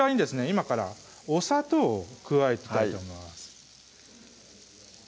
今からお砂糖を加えていきたいと思います